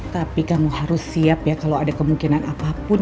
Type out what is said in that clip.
tapi kamu harus siap ya kalau ada kemungkinan apapun